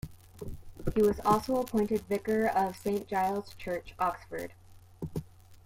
He was also appointed Vicar of Saint Giles' Church, Oxford.